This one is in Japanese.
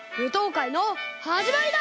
かいのはじまりだ！